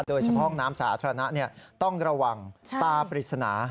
โดยเฉพาะห้องน้ำสาธารณะต้องระวังตาปริศนา